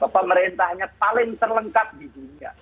pemerintahnya paling terlengkap di dunia